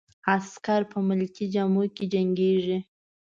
عسکر په ملکي جامو کې جنګیږي.